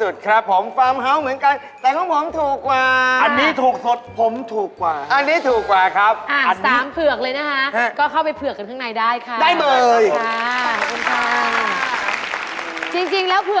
สองเผือกเลยค่ะโอ้โฮดับเบิ้ลเผือกใช่สองเผือกเขาเรียกเผือก